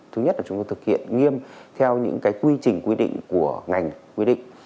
thứ nhất là chúng tôi thực hiện nghiêm theo những quy trình quy định của ngành quy định